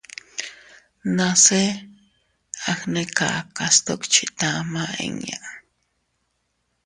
Nase agnekaka sdukchi tama inña.